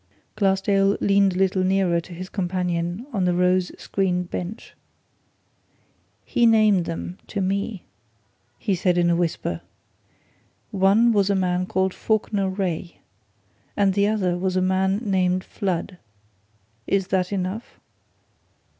Glassdale leaned a little nearer to his companion on the rose screened bench. "He named them to me!" he said in a whisper. "One was a man called Falkiner Wraye, and the other man was a man named Flood. Is that enough?"